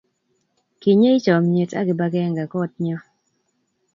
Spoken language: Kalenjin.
kinyei chomyet ak kibagenge kootnyo